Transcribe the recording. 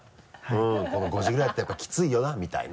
この５時ぐらいだとやっぱりきついよなみたいな。